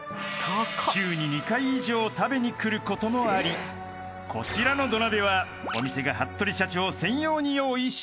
［週に２回以上食べに来ることもありこちらの土鍋はお店が服部社長専用に用意したもの］